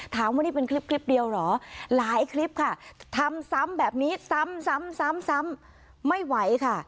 ถามวันนี้คลิปเดียวเหรอหลายคลิปค่ะทำซ้ำแบบนี้ซ้ำไม่ไหวค่ะ